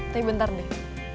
tapi bentar deh